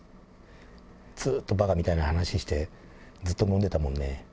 ずっとばかみたいな話して、ずっと飲んでたもんね。